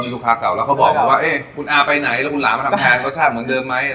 ลูกค้าเก่าแล้วเขาบอกมาว่าคุณอาไปไหนแล้วคุณหลามาทำงานรสชาติเหมือนเดิมไหม